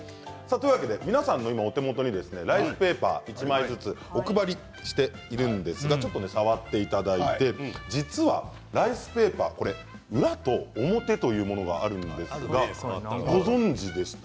皆さんのお手元にライスペーパーを１枚ずつお配りしているんですがちょっと触っていただいて実はライスペーパー裏と表というものがあるんですがご存じでしたか？